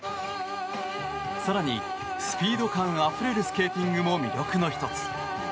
更に、スピード感あふれるスケーティングも魅力の１つ。